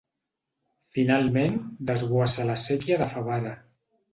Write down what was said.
Finalment desguassa a la séquia de Favara.